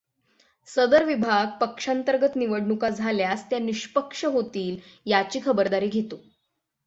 सदर विभाग, पक्षांतर्गत निवडणुका झाल्यास त्या निष्पक्ष होतील याची खबरदारी घेतो.